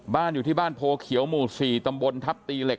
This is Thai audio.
อยู่ที่บ้านโพเขียวหมู่๔ตำบลทัพตีเหล็ก